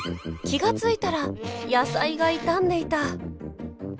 気が付いたら野菜が傷んでいた。